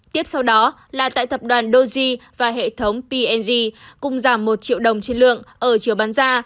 tiếp sau đó là tại tập đoàn doji và hệ thống p g cũng giảm một triệu đồng trên lượng ở chiều bán ra